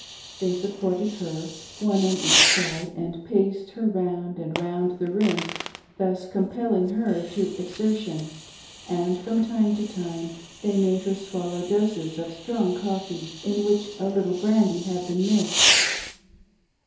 They supported her, one on each side, and paced her round and round the room, thus compelling her to exer NEARING THE HAVEN. 573 tion ; and from time to time they made her swallow doses of strong coffee, in which a little brandy had been mixed.